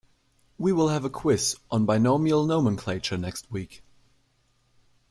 We will have a quiz on binomial nomenclature next week.